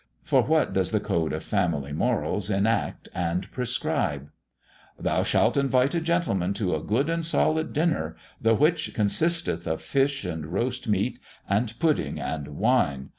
For what does the code of family morals enact and prescribe? "Thou shalt invite a gentleman to a good and solid dinner, the which consisteth of fish and roast meat, and pudding and wine.